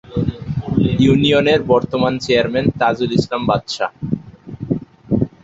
ইউনিয়নের বর্তমান চেয়ারম্যান তাজুল ইসলাম বাদশা।